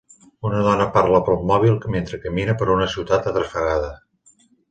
Una dona parla pel mòbil mentre camina per una ciutat atrafegada